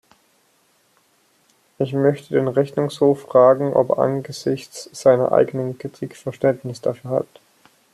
Ich möchte den Rechnungshof fragen, ob er angesichts seiner eigenen Kritik Verständnis dafür hat.